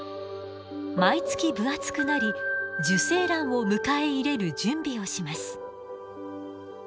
毎月分厚くなり受精卵を迎え入れる準備をします。